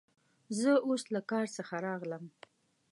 زه اوس له کار څخه راغلم.